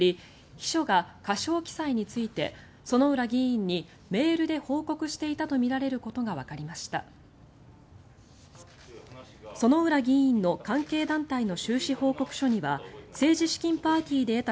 秘書が過少記載について薗浦議員にメールで報告していたとみられることがわかりました。